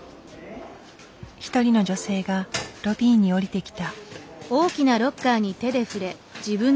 一人の女性がロビーに下りてきた。